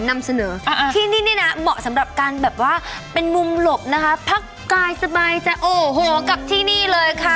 มีไว้สบายจะโอเคกับที่นี่เลยค่ะ